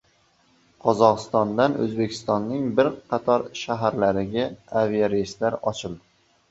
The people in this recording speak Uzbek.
Qozog‘istondan O‘zbekistonning bir qator shaharlariga aviareyslar ochiladi